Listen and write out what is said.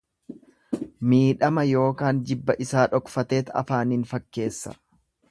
Miidhama ykn jibba isaa dhokfateet afaaniin fakkeessa.